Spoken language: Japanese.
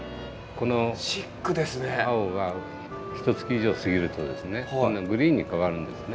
この青がひとつき以上過ぎると今度はグリーンに変わるんですね。